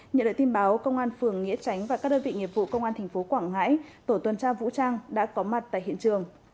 nhờ đợi tin báo công an phường nghĩa chánh và các đơn vị nghiệp vụ công an thành phố quảng ngãi tổ tuần tra vũ trang đã có mặt tại hiện trường